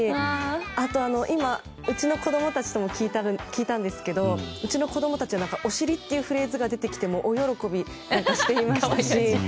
あと、今、うちの子供たちにも聞いたんですけどうちの子供たちはお尻っていうフレーズが出てきて大喜びしていましたし。